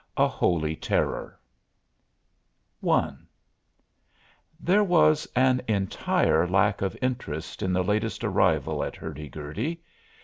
A HOLY TERROR I There was an entire lack of interest in the latest arrival at Hurdy Gurdy.